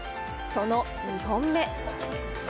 その２本目。